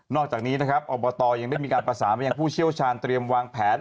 นอกจากนี้อบตยังได้มีการประสามารถให้ผู้เชี่ยวชาญเตรียมวางแผน